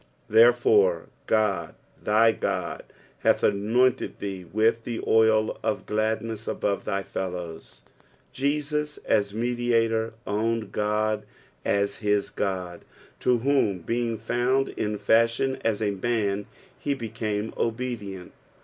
"■Thertfore Qod, thy Qod, hath anointed thte with the oil of gladntat abate thy fettovii." Jesus as Mediator owned Qod as his Qod, to whom, being found in fi&hioTi sa a man, he became obedient.